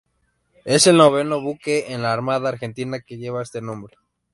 Es el noveno buque en la Armada Argentina que lleva este nombre.